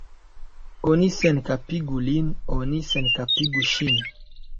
Oni senkapigu lin, oni senkapigu ŝin!